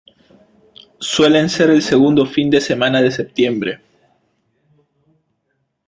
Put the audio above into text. Suelen ser el segundo fin de semana de Septiembre.